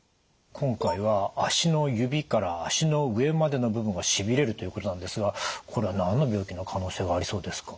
今回は足の指から足の上までの部分がしびれるということなんですがこれは何の病気の可能性がありそうですか？